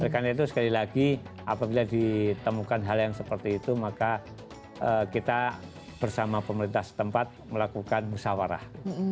karena itu sekali lagi apabila ditemukan hal yang seperti itu maka kita bersama pemerintah setempat melakukan musyawarah